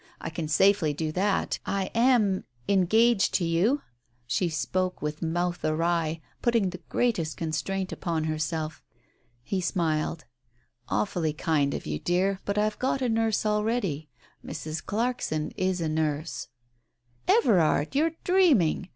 I can safely do that. I am — engaged to you !" She spoke with mouth awry, putting the greatest constraint upon herself. He smiled. "Awfully kind of you, dear, but I've got a nurse already. Mrs. Clarkson is a nurse." " Everard ! you're dreaming